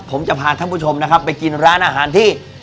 ผมจะพาท่านผู้ชมนะครับไปกินร้านอาหารที่